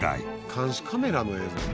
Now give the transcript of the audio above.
監視カメラの映像。